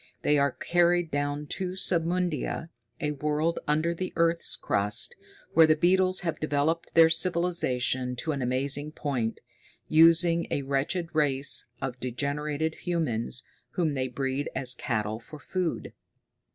They are carried down to Submundia, a world under the earth's crust, where the beetles have developed their civilization to an amazing point, using a wretched race of degenerated humans, whom they breed as cattle, for food.